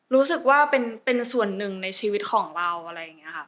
รู้สึกว่าเป็นส่วนหนึ่งในชีวิตของเรา